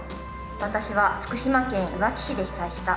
「私は福島県いわき市で被災した」。